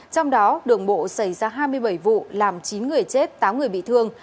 trong đó đường bộ xảy ra hai mươi bảy vụ làm chín người chết tám người bị thương